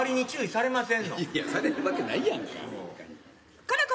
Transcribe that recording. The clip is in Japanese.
されるわけないやんか。